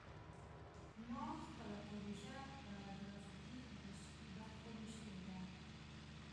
ما خپله پروژه په ګرافیکي او تشریحي برخو ویشلې ده